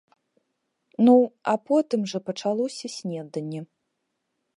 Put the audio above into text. Ну, а потым жа пачалося снеданне.